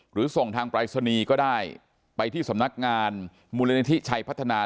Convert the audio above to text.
ส่งทางปรายศนีย์ก็ได้ไปที่สำนักงานมูลนิธิชัยพัฒนา